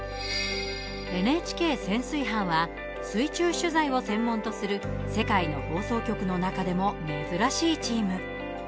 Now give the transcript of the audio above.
ＮＨＫ潜水班は水中取材を専門とする世界の放送局の中でも珍しいチーム。